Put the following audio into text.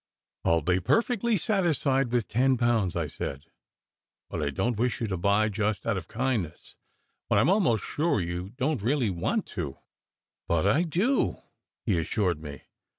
"I ll be perfectly satisfied with ten pounds," I said. "But I don t wish you to buy just out of kindness, when I m almost sure you don t really want to." "But I do," he assured me.